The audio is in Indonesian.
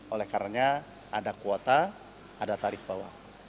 oleh karena ada kuota ada tarif bawah